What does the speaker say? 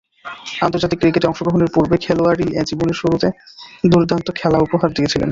আন্তর্জাতিক ক্রিকেটে অংশগ্রহণের পূর্বে খেলোয়াড়ী জীবনের শুরুতে দূর্দান্ত খেলা উপহার দিয়েছিলেন।